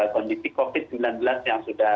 kondisi covid sembilan belas yang sudah